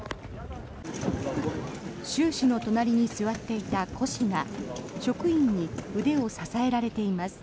習氏の隣に座っていた胡氏が職員に腕を支えられています。